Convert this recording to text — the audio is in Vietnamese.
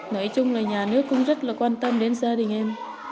nói chung là nhà nước cũng rất là quan tâm đến gia đình em